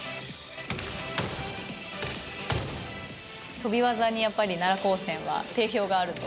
跳び技にやっぱり奈良高専は定評があると。